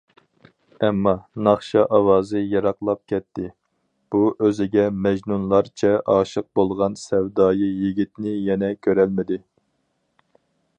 ئەمما، ناخشا ئاۋازى يىراقلاپ كەتتى، بۇ ئۆزىگە مەجنۇنلارچە ئاشىق بولغان سەۋدايى يىگىتنى يەنە كۆرەلمىدى.